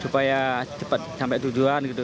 supaya cepat sampai tujuan gitu